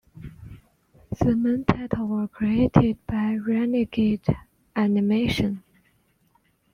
The main title were created by Renegade Animation.